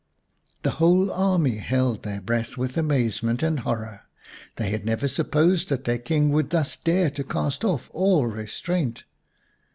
The whole army held their breath with amaze ment and horror. They had never supposed that their King would thus dare to cast off all restraint.